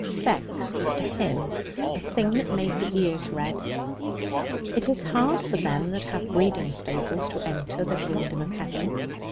Sex was to him a thing that made the ears red. It is hard for them that have breeding stables to enter the kingdom of heaven.